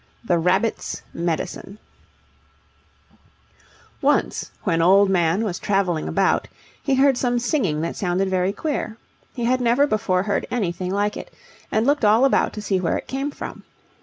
THE RABBITS' MEDICINE Once, when Old Man was travelling about, he heard some singing that sounded very queer. He had never before heard anything like it, and looked all about to see where it came from.